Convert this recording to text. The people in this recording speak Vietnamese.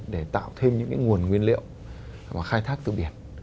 để tạo thêm những cái nguồn nguyên liệu khai thác từ biển